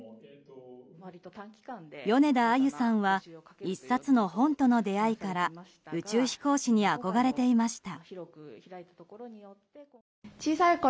米田あゆさんは１冊の本との出会いから宇宙飛行士に憧れていました。